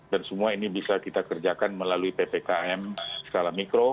dan semua ini bisa kita kerjakan melalui ppkm skala mikro